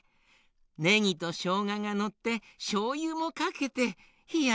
ねぎとしょうががのってしょうゆもかけてひや